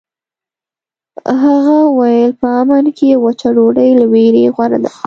هغه وویل په امن کې وچه ډوډۍ له ویرې غوره ده.